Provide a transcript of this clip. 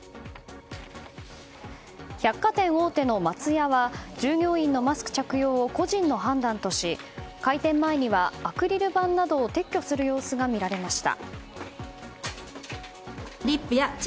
百貨店大手の松屋は従業員のマスク着用を個人の判断とし開店前には、アクリル板などを撤去する様子が見られました。